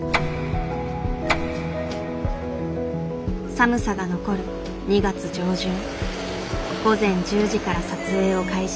寒さが残る２月上旬午前１０時から撮影を開始。